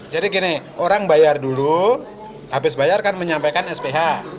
jadi gini orang bayar dulu habis bayar kan menyampaikan sph